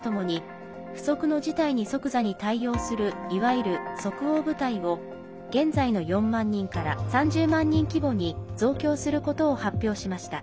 最も重大で直接的な脅威へと変更するとともに不測の事態に即座に対応するいわゆる「即応部隊」を現在の４万人から３０万人規模に増強することを発表しました。